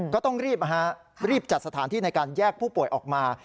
ก็ต้องรีบรีบจัดสถานที่ในการแยกผู้ป่วยออกมา